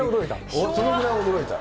そのぐらい驚いた。